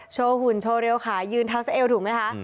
โชว์หุ่นโชว์เร็วค่ะยืนเท้าใส่เอวถูกมั้ยคะ